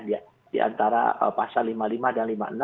di antara pasal lima puluh lima dan lima puluh enam